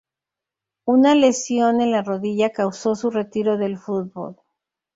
Una lesión en la rodilla causó su retiro del fútbol.